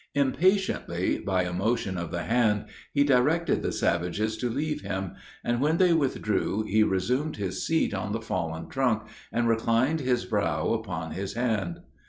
Impatiently, by a motion of the hand, he directed the savages to leave him, and when they withdrew he resumed his seat on the fallen trunk, and reclined his brow upon his hand.